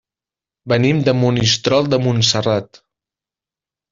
Venim de Monistrol de Montserrat.